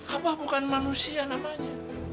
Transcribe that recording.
abah bukan manusia namanya